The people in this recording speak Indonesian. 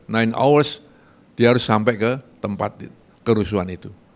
dia harus sampai ke tempat kerusuhan itu